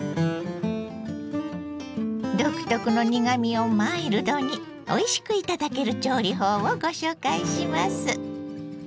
独特の苦みをマイルドにおいしく頂ける調理法をご紹介します。